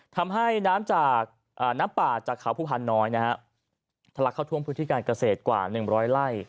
ทำให้น้ำป่าจากเขาผู้พันน้อยทะลักข้าวทวมพื้นที่การเกษตรกว่า๑๐๐ไร่